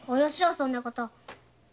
そんなこと！